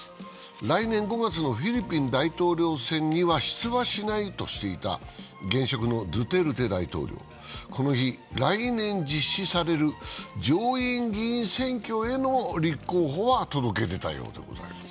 来年５月のフィリピン大統領選には出馬しないとしていた現職のドゥテルテ大統領、この日、来年実施される上院議員選挙への立候補は届け出たようでございます。